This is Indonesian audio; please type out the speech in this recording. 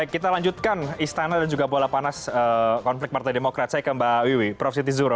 kita lanjutkan istana dan juga bola panas konflik partai demokrat saya ke mbak wiwi prof siti zuro